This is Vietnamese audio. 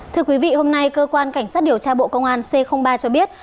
thưa quý vị hôm nay cơ quan cảnh sát điều tra bộ công an c ba cho biết